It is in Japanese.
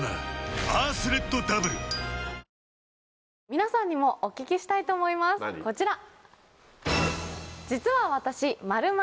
皆さんにもお聞きしたいと思いますこちら。